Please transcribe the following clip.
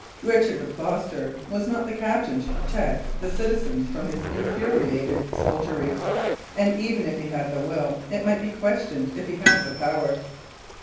Richard of Gloucester was not the captain to protect the citizens from his infuriated soldiery; and even if he had the will, it might be questioned if he had the power.